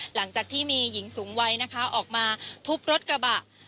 หลังจากที่มีหญิงสูงวัยนะคะออกมาทุบรถกระบะ